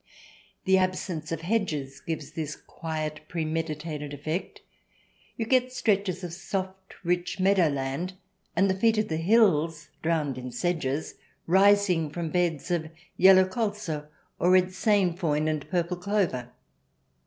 The absence of hedges gives this quiet, pre meditated effect. You get stretches of soft rich meadowland and the feet of the hills drowned in sedges, rising from beds of yellow colza or red sainfoin and purple clover.